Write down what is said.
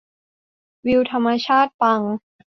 วิวธรรมชาติปัง